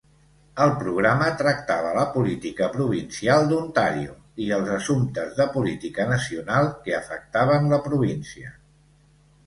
El programa tractava la política provincial d'Ontario i els assumptes de política nacional que afectaven la província.